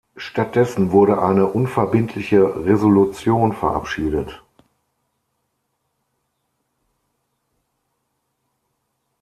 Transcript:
Stattdessen wurde eine unverbindliche Resolution verabschiedet.